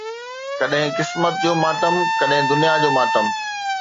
ڪڏهن قسمت جو ماتم، ڪڏهن دنيا جو ماتم